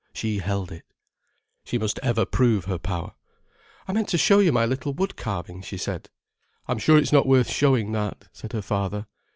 She held it. She must ever prove her power. "I meant to show you my little wood carving," she said. "I'm sure it's not worth showing, that," said her father.